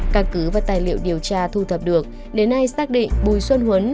căn cứ và tài liệu điều tra thu thập được đến nay xác định bùi xuân huấn